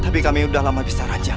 tapi kami udah lama bisa raja